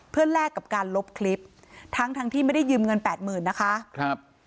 เพื่อแลกกับการลบคลิปทั้งทั้งที่ไม่ได้ยืมเงินแปดหมื่นนะคะครับ